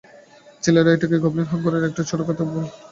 জেলেরা এটিকে গবলিন নামের হাঙরের একটি ছোট জাত বলে ভুল করেছিলেন।